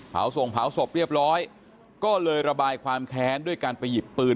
ส่งเผาศพเรียบร้อยก็เลยระบายความแค้นด้วยการไปหยิบปืน